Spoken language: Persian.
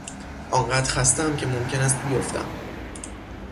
آنقدر خستهام که ممکن است بیفتم.